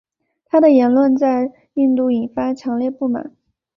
他的言论在印度引发强烈不满。